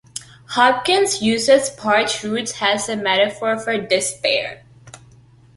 Hopkins uses parched roots as a metaphor for despair.